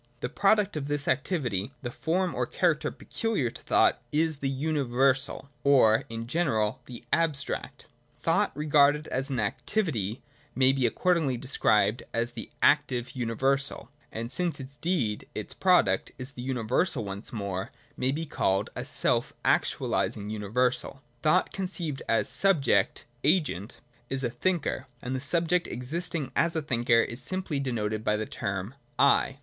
The product of this activity, the form or character pecuhar to thought, is the universal, or, in general, the abstract. Thought, regarded as an D 2 36 PRELIMINARY NOTION. [20 activity, may be accordingly described as the active uni versal, and, since the deed, its product, is the universal once more, may be called a self actualising universal. Thought conceived as a subject (agent) is a thinker, and the subject existing as a thinker is simply denoted by the term 'I.'